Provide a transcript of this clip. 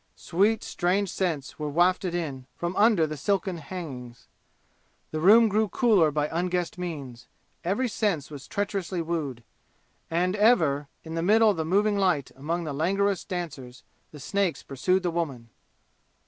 Sweet strange scents were wafted in from under the silken hangings. The room grew cooler by unguessed means. Every sense was treacherously wooed. And ever, in the middle of the moving light among the languorous dancers, the snakes pursued the woman!